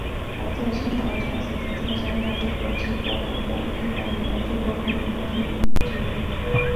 而在香港的场次则创下亚洲国际博览馆开馆以来最高动员观众记录。